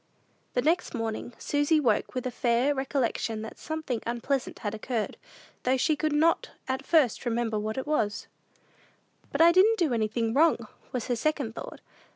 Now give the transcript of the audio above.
The next morning, Susy woke with a faint recollection that something unpleasant had occurred, though she could not at first remember what it was. "But I didn't do anything wrong," was her second thought.